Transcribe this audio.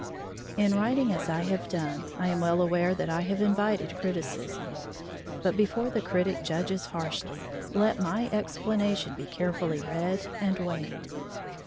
In writing as I have done, I am well aware that I have invited criticism; but before the critic judges harshly, let my explanation be carefully read and weighed.